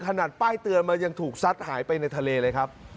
นั่นป้ายเตือนมายังถูกซัดหายไปในทะเลเลยครับ